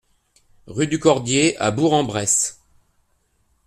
Rue du Cordier à Bourg-en-Bresse